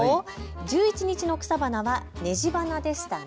１１日の草花はねじばなでしたね。